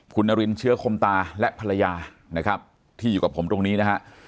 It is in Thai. คุณนารินเชื้อคมตาและภรรยานะครับที่อยู่กับผมตรงนี้นะฮะ